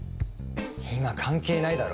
今関係ないだろ？